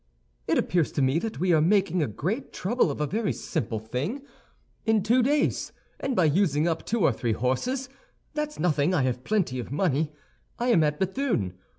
"It appears to me that we are making a great trouble of a very simple thing. In two days, and by using up two or three horses (that's nothing; I have plenty of money), I am at Béthune.